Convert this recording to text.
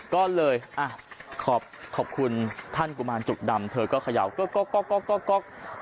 ก็เลยอ่ะขอบขอบคุณท่านกุมารจุกดำเธอก็เขย่าก็ก็ก็ก็ก็ก็ก็